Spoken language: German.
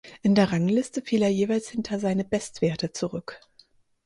In der Rangliste fiel er jeweils hinter seine Bestwerte zurück.